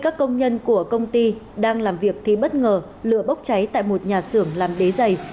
các công nhân của công ty đang làm việc thì bất ngờ lửa bốc cháy tại một nhà xưởng làm đế dày